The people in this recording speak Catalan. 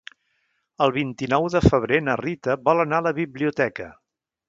El vint-i-nou de febrer na Rita vol anar a la biblioteca.